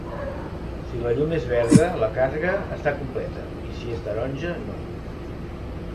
Si la llum és verda, la càrrega està completa i si és taronja no.